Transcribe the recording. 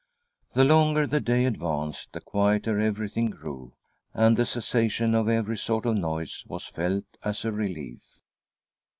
The longer the day advanced the quieter everything grew, and the cessation of every sort of noise was felt as a relief..